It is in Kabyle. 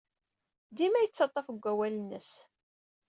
Dima yettaḍḍaf deg wawal-nnes.